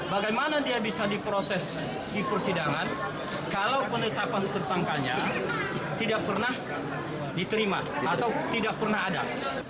bagaimana dia bisa diproses di persidangan kalau penetapan tersangkanya tidak pernah diterima atau tidak pernah ada